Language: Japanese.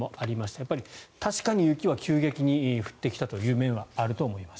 やっぱり確かに雪は急激に降ってきた面はあると思います。